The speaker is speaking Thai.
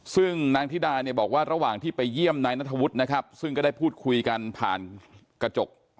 ซึ่งนางธิดาเนี่ยบอกว่าระหว่างที่ไปเยี่ยมนายนัทวุฒินะครับซึ่งก็ได้พูดคุยกันผ่านกระจก